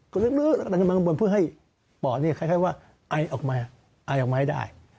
ดันขึ้นมาข้างบนเพื่อให้ป่อนี่คล้ายว่าอายออกมาอายออกมาให้ได้